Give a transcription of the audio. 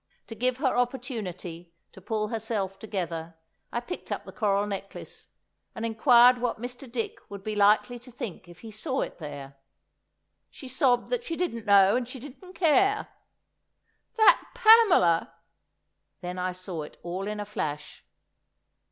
To give her opportunity to pull herself together, I picked up the coral necklace and inquired what Mr. Dick would be likely to think if he saw it there. She sobbed that she didn't know and she didn't care. "That Pamela——" Then I saw it all in a flash!